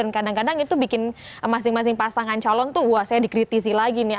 dan kadang kadang itu bikin masing masing pasangan calon tuh wah saya dikritisi lagi nih